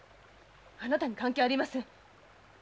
あなたに関係ありません。